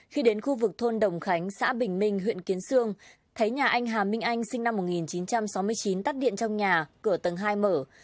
khi đến khu vực thôn đồng khánh xã bình minh huyện kiến sương thấy nhà anh hà minh anh sinh năm một nghìn chín trăm sáu mươi chín tắt điện trong nhà cửa tầng hai mở